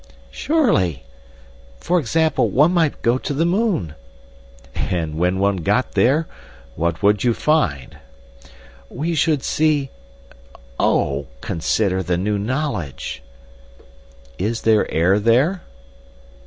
"Surely! For example, one might go to the moon." "And when one got there? What would you find?" "We should see—Oh! consider the new knowledge." "Is there air there?"